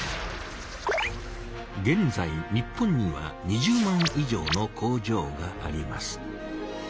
げんざい日本には２０万以上の工場があります。